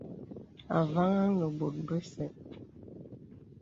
Avàŋhā nə bòt bə̀n bese.